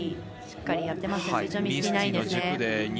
しっかりやってますね。